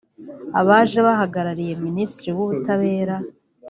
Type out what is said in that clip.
Abaje bahagarariye Minisitiri w’ubutabera